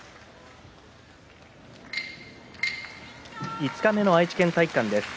五日目の愛知県体育館です。